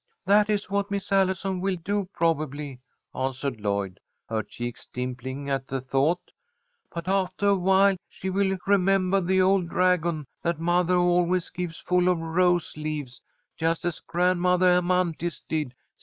"That is what Miss Allison will do, probably," answered Lloyd, her cheeks dimpling at the thought. "But aftah awhile she will remembah the old dragon that mothah always keeps full of rose leaves just as Grandmothah Amanthis did.